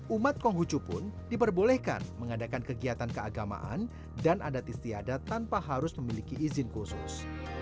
umat konghucu pun diperbolehkan mengadakan kegiatan keagamaan dan adat istiadat tanpa harus memiliki izin khusus